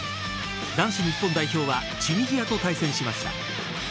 男子日本代表はチュニジアと対戦しました。